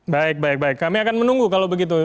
baik baik baik kami akan menunggu kalau begitu